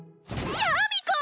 シャミ子！